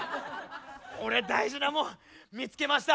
俺大事なもん見つけました。